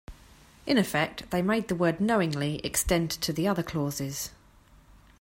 In effect, they made the word "knowingly" extend to the other clauses.